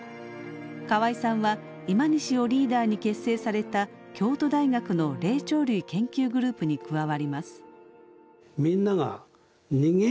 河合さんは今西をリーダーに結成された京都大学の霊長類研究グループに加わります。